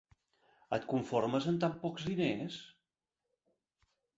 Et conformes amb tan pocs diners?